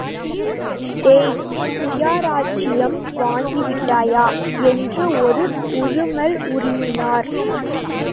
டேய் சுயராச்சியம் வாங்கிவிட்டாயா? என்று ஒரு உறுமல் உறுமினார்.